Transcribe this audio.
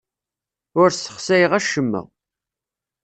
Ur ssexsayeɣ acemma.